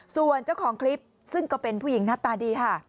ส่วนเจ้าของคลิปซึ่งก็เป็นผู้หญิงหน้าตาดีค่ะ